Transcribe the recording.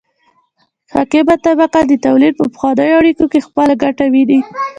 حاکمه طبقه د تولید په پخوانیو اړیکو کې خپله ګټه ویني.